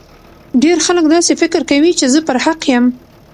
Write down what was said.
ډیر خلګ داسي فکر کوي چي زه پر حق یم